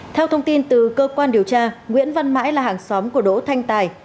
theo thông tin từ cơ quan điều tra nguyễn văn mãi là hàng xóm của đỗ thanh tài